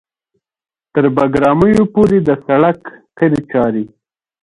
تر بګرامیو پورې د سړک قیر چارې